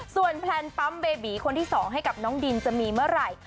ส่วนแพลนปั๊มเบบีคนที่๒ให้กับน้องดินจะมีเมื่อไหร่